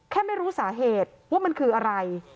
ไม่รู้สาเหตุว่ามันคืออะไร